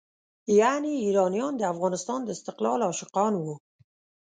یعنې ایرانیان د افغانستان د استقلال عاشقان وو.